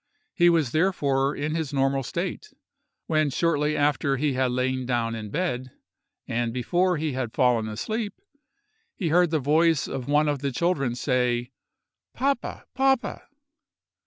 He was therefore in his normal state; when shortly after he had lain down in bed, and before he had fallen asleep, he heard the voice of one of the children say: "Papa—papa!"